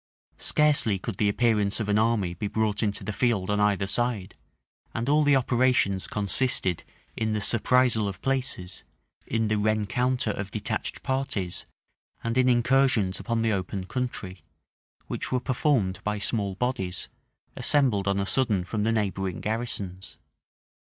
Scarcely could the appearance of an army be brought into the field on either side; and all the operations consisted in the surprisal of places, in the rencounter of detached parties, and in incursions upon the open country; which were performed by small bodies, assembled on a sudden from the neighboring garrisons.